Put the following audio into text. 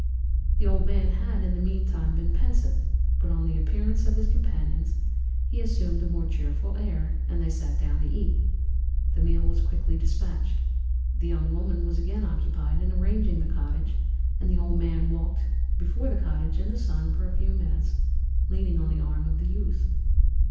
"The old man had, in the meantime, been pensive, but on the appearance of his companions he assumed a more cheerful air, and they sat down to eat. The meal was quickly dispatched. The young woman was again occupied in arranging the cottage, the old man walked before the cottage in the sun for a few minutes, leaning on the arm of the youth.